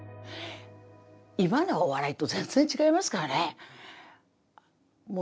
今のお笑いと全然違いますからね。